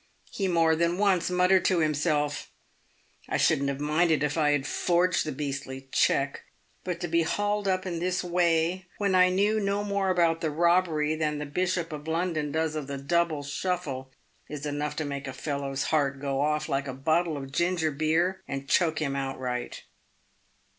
He more than once muttered to himself, " I shouldn't have minded if I had forged the beastly cheque, but to be hauled up in this way when I knew no more about the robbery than the Bishop of London does of the double shuffle, is enough to make a fellow's heart go off like a bottle of ginger beer and choke him outright."